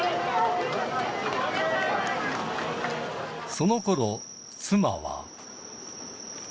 そのころ、妻は。